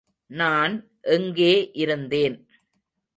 நான் எங்கே இருந்தேன்?